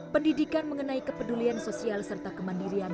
pendidikan mengenai kepedulian sosial serta kemandirian